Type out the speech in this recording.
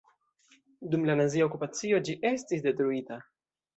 Dum la nazia okupacio ĝi estis detruita.